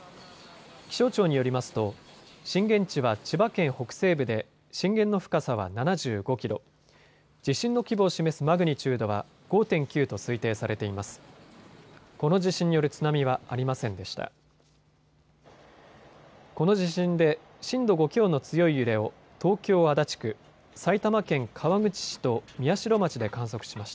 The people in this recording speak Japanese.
気象庁によりますと震源地は千葉県北西部で震源の深さは７５キロ、地震の規模を示すマグニチュードは５．９と推定されています。